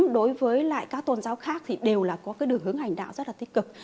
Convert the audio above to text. đối với các tôn giáo khác thì đều có đường hướng hành đạo rất là tích cực